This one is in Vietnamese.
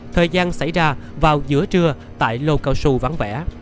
thời gian xảy ra vào giữa trưa tại lô cao su vắng vẻ